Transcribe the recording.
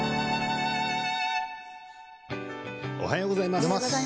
おはようございます。